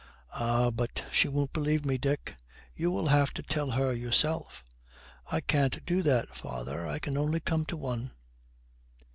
Ah, but she won't believe me, Dick; you will have to tell her yourself.' 'I can't do that, father. I can only come to one.'